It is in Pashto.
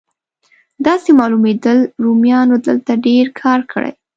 داسې معلومېدل رومیانو دلته ډېر کار کړی.